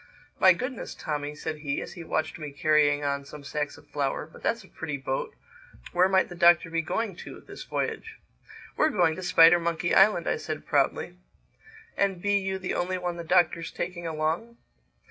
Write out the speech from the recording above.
"My Goodness, Tommy," said he, as he watched me carrying on some sacks of flour, "but that's a pretty boat! Where might the Doctor be going to this voyage?" "We're going to Spidermonkey Island," I said proudly. "And be you the only one the Doctor's taking along?"